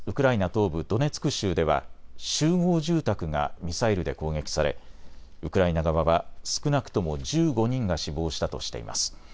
東部ドネツク州では集合住宅がミサイルで攻撃されウクライナ側は少なくとも１５人が死亡したとしています。